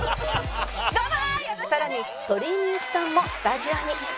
さらに鳥居みゆきさんもスタジオに